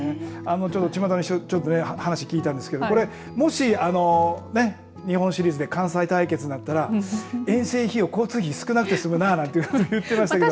ちまたに話を聞いたんですけどもし日本シリーズで関西対決になったら遠征費用、交通費少なくて済むなあと言っていましたけど。